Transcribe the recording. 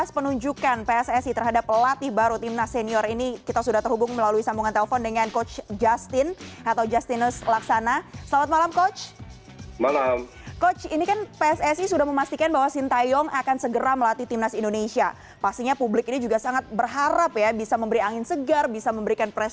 sintayong akan datang untuk finalisasi kontrak